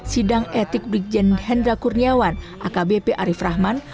sidang etik brigjen hendra kurniawan akbp arief rahman